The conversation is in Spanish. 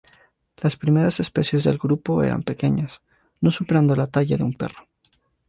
Las primeras especies del grupo eran pequeñas, no superando la talla de un perro.